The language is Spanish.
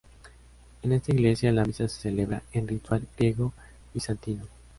En esta iglesia la misa se celebra en ritual griego-bizantino.